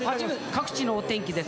各地のお天気です。